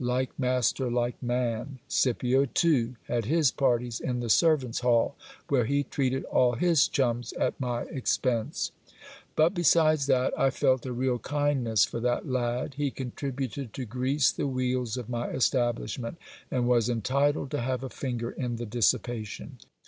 Like master like man! Scipio, too, had his parties in the servants' hall, where he treated all his chums at my expense. But besides that I felt a real kindness for that lad, he contributed to grease the wheels of my establish ment, and was entitled to have a finger in the dissipation.